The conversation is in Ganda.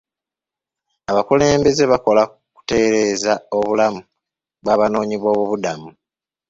Abakulembeze bakola ku kutereeza obulamu bw'abanoonyiboobubudamu.